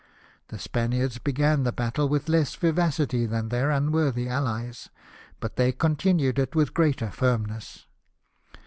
The Spaniards began the battle with less vivacity than their un worthy allies, but they continued it with greater firmness.